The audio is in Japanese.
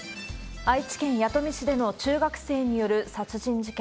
愛知県弥富市での中学生による殺人事件。